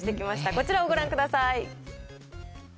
こちらをご覧ください。